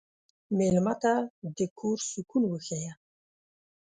مېلمه ته د کور سکون وښیه.